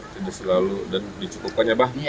tidak selalu dan dicukupkan ya pak